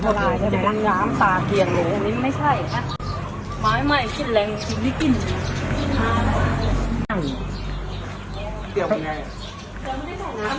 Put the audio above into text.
จะล้ามตาเทียนเลยอันนี้ไม่ใช่หมาใหม่